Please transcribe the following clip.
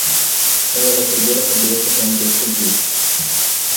Ela vai perder a cabeça quando descobrir.